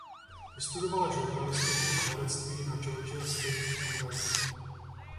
Vystudovala žurnalistiku a herectví na Georgia State University.